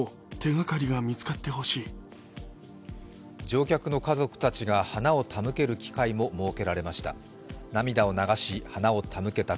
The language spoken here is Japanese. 乗客の家族たちが花を手向ける機会も設けられました。